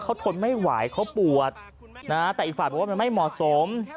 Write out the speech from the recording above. เขาทนไม่หวายเขาปวดแต่อีกฝั่งบอกว่าไม่เหมาะสม